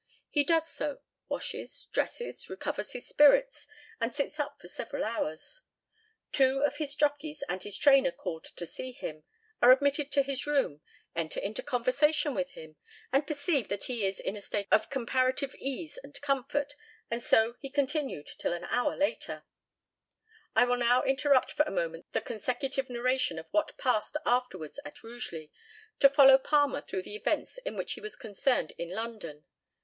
He does so, washes, dresses, recovers his spirits, and sits up for several hours. Two of his jockies and his trainer called to see him, are admitted to his room, enter into conversation with him, and perceive that he is in a state of comparative ease and comfort, and so he continued till a late hour. I will now interrupt for a moment the consecutive narration of what passed afterwards at Rugeley to follow Palmer through the events in which he was concerned in London.